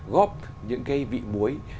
góp những cái vị muối